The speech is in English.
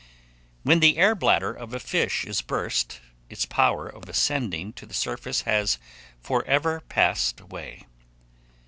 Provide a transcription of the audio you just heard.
When the air bladder of a fish is burst, its power of ascending to the surface has for ever passed away.